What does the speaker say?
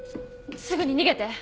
すぐに逃げて。